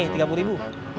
ini tiga puluh ribu